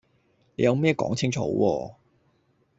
你有咩講清楚好喎